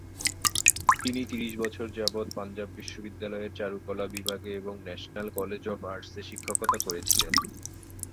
তিনি ত্রিশ বছর যাবত পাঞ্জাব বিশ্ববিদ্যালয়ের চারুকলা বিভাগে এবং ন্যাশনাল কলেজ অফ আর্টসে শিক্ষকতা করেছিলেন।